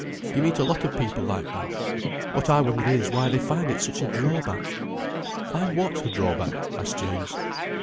You meet a lot of people like that. What I wonder is why they find it such a drawback." "Find what a drawback?" asked James.